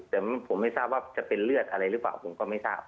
แต่ผมไม่ทราบว่าจะเป็นเลือดอะไรหรือเปล่าผมก็ไม่ทราบ